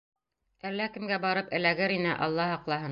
Әллә кемгә барып эләгер ине, Алла һаҡлаһын.